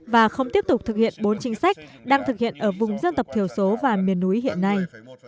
và không tiếp tục thực hiện bốn chính sách đang thực hiện ở vùng dân tộc thiểu số và miền núi hiện nay